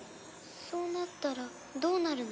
そうなったらどうなるの？